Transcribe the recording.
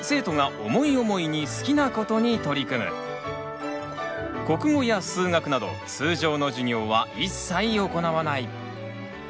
この学校では国語や数学など通常の授業は一切行わない。